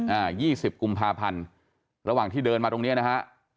ยี่สิบกุมภาพันธ์ระหว่างที่เดินมาตรงเนี้ยนะฮะ